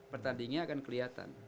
pertandingannya akan kelihatan